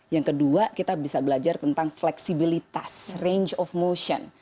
yang kedua kita bisa belajar tentang fleksibilitas range of motion